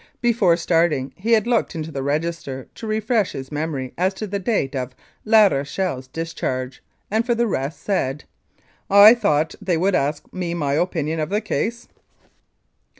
Before starting he had looked into the register to refresh his memory as to the date of La Rochelle's discharge, and for the rest said, "I thought they would ask me my opinion of the case."